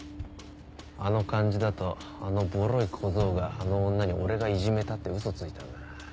あの感じだとあのボロい小僧があの女に俺がいじめたってウソついたんだな。